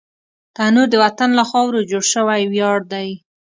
تنور د وطن له خاورو جوړ شوی ویاړ دی